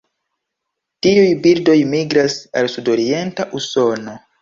Tiuj birdoj migras al sudorienta Usono.